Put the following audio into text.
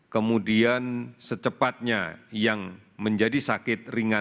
kemudian secepatnya yang menjadi sakit ringan